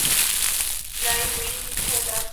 خبرونه وایي چې د پانګي دوران چټک سوی دی.